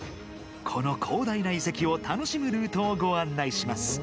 この広大な遺跡を楽しむルートをご案内します。